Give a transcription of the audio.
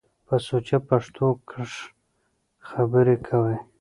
په سوچه پښتو کښ خبرې کوٸ۔